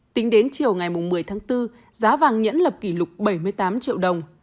tính đến chiều ngày một mươi tháng bốn giá vàng nhẫn lập kỷ lục bảy mươi tám triệu đồng